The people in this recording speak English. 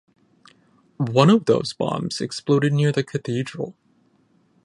One of those bombs exploded near the cathedral.